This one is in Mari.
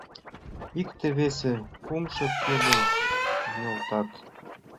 Икте, весе, кумшо кидым нӧлтат: